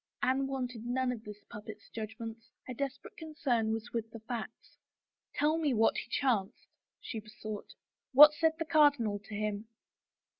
Anne wanted none of the puppet's judgments; her desperate concern was with the facts. Tell me what has chanced," she besought. " What said the cardinal to him?"